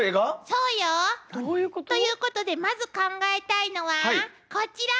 どういうこと？ということでまず考えたいのはこちら！